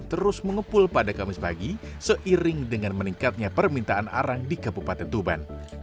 terus mengepul pada kamis pagi seiring dengan meningkatnya permintaan arang di kabupaten tuban